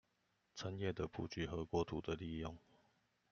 產業的佈局和國土的利用